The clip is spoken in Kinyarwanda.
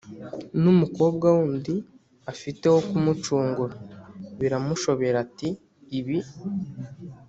n’umukobwa wundi afite wo kumucungura. Biramushobera ati: “Ibi